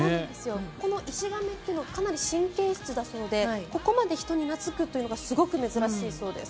このイシガメっていうのはかなり神経質だそうでここまで人に懐くのはすごく珍しいそうです。